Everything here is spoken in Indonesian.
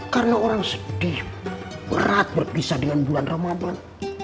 karena orang sedih berat berpisah dengan bulan ramadhan